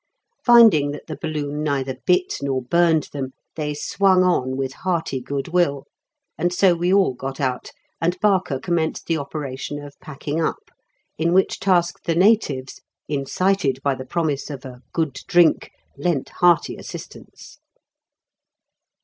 Finding that the balloon neither bit nor burned them, they swung on with hearty goodwill, and so we all got out, and Barker commenced the operation of packing up, in which task the natives, incited by the promise of a "good drink," lent hearty assistance.